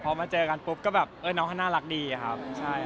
พอมาเจอกันปุ๊บก็แบบน้องเขาน่ารักดีอะครับ